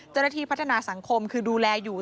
เจ้าหน้าที่พัฒนาสังคมคือดูแลอยู่